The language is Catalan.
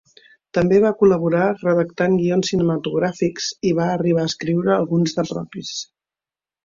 També va col·laborar redactant guions cinematogràfics i va arribar a escriure alguns de propis.